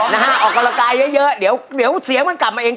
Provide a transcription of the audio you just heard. นะฮะออกกำลังกายเยอะเยอะเดี๋ยวเดี๋ยวเสียงมันกลับมาเอง